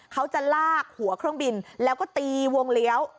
เขาจะลากหัวเครื่องบินแล้วก็ตีวงเลี้ยว